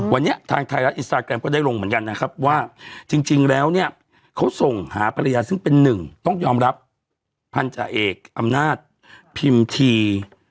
วันนี้ทางไทยรัฐอินสตาแกรมก็ได้ลงเหมือนกันนะครับว่าจริงแล้วเนี่ยเขาส่งหาภรรยาซึ่งเป็นหนึ่งต้องยอมรับพันธาเอกอำนาจพิมพ์ที